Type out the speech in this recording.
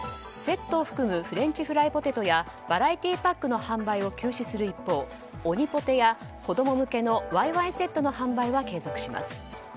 セットを含むフレンチフライドポテトやバラエティパックの販売を休止する一方オニポテや、子供向けのワイワイセットの販売は継続します。